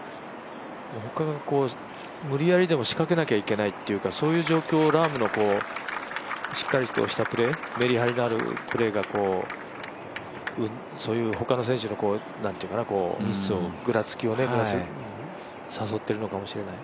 他が無理やりでも仕掛けないといけないというかそういう状況をラームのしっかりとしたプレー、めり張りのあるプレーがそういう他の選手のミスを、ぐらつきを誘ってるのかもしれない。